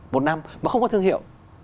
một năm mà không có thương hiệu